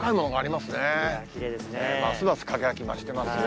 ますます輝き増してますよ。